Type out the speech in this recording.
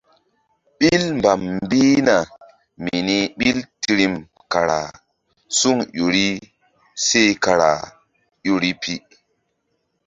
Ɓil mbam mbihna mini ɓil tirim kara suŋ ƴo ri seh kara ƴo ri.